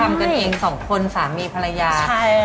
การที่บูชาเทพสามองค์มันทำให้ร้านประสบความสำเร็จ